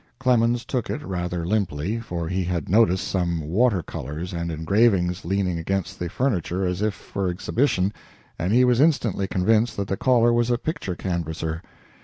Clemens took it rather limply, for he had noticed some water colors and engravings leaning against the furniture as if for exhibition, and he was instantly convinced that the caller was a picture canvasser.